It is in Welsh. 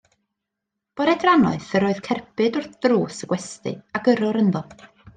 Bore drannoeth yr oedd cerbyd wrth ddrws y gwesty, a gyrrwr ynddo.